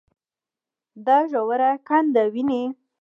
دا ژوره کنده وينې.